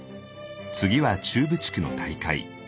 次は中部地区の大会。